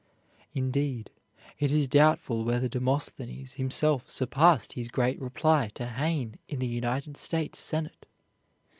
Indeed, it is doubtful whether Demosthenes himself surpassed his great reply to Hayne in the United States Senate.